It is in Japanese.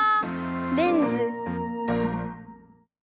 レンズ。